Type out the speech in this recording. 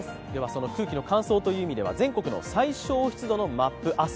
その空気の乾燥ということでは全国の最小湿度のマップ。